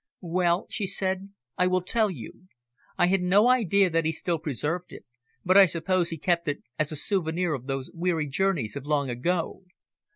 "Well," she said, "I will tell you. I had no idea that he still preserved it, but I suppose he kept it as a souvenir of those weary journeys of long ago.